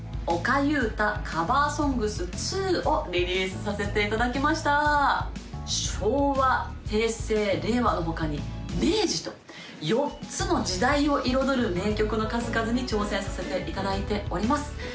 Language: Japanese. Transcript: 「おかゆウタカバーソングス２」をリリースさせていただきました昭和平成令和の他に明治と４つの時代を彩る名曲の数々に挑戦させていただいております